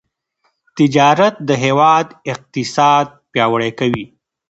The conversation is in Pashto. تجارت د هیواد اقتصاد پیاوړی کوي.